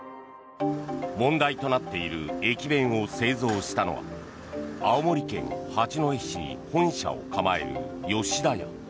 問題となっている駅弁を製造したのは青森県八戸市に本社を構える吉田屋。